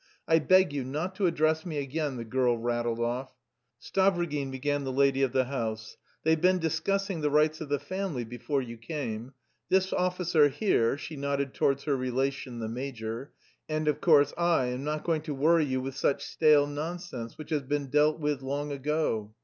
I beg you not to address me again," the girl rattled off. "Stavrogin," began the lady of the house, "they've been discussing the rights of the family before you came this officer here" she nodded towards her relation, the major "and, of course, I am not going to worry you with such stale nonsense, which has been dealt with long ago.